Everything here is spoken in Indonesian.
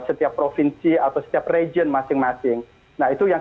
setiap provinsi atau setiap region masing masing